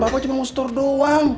pak pak cuma mau setor doang